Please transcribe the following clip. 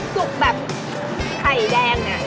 สุกแบบไข่แดงเนี่ย